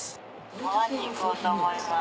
川に行こうと思います。